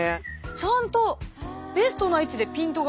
ちゃんとベストな位置でピントが。